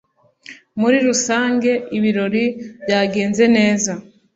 Muri rusange, ibirori byagenze neza.